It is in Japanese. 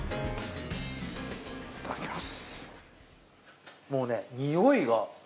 いただきます。